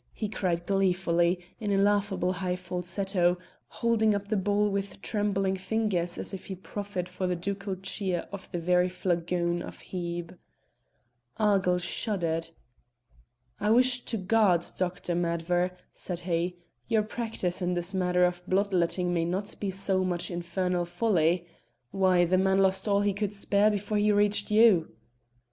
he cried gleefully, in a laughable high falsetto, holding up the bowl with trembling fingers as if he proffered for the ducal cheer the very flagon of Hebe. Argyll shuddered. "I wish to God, Dr. Madver," said he, "your practice in this matter of blood letting may not be so much infernal folly. Why! the man lost all he could spare before he reached you."